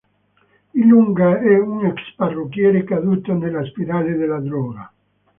J è un ex-parrucchiere caduto nella spirale della droga.